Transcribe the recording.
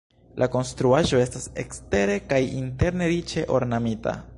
La konstruaĵo estas ekstere kaj interne riĉe ornamita.